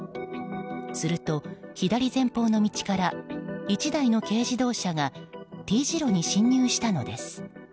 すると、左前方の道から１台の軽自動車がＴ字路に進入したのです。